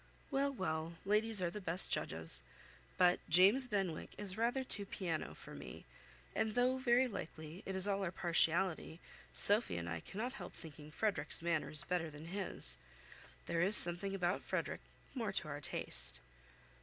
"Well, well, ladies are the best judges; but James Benwick is rather too piano for me; and though very likely it is all our partiality, Sophy and I cannot help thinking Frederick's manners better than his. There is something about Frederick more to our taste."